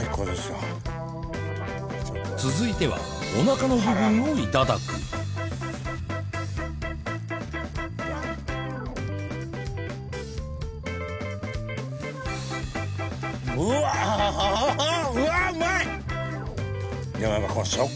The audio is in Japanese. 続いてはおなかの部分をいただくうわハハハハッ！